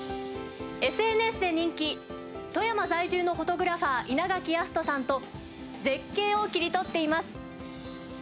ＳＮＳで人気富山在住のフォトグラファーイナガキヤストさんと絶景を切り取っています。